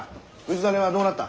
氏真はどうなった？